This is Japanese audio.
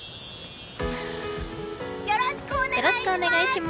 よろしくお願いします！